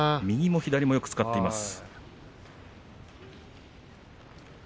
右も左もよく使っています。